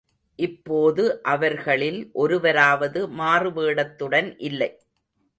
இப்போது அவர்களில் ஒருவராவது மாறுவேடத்துடன் இல்லை.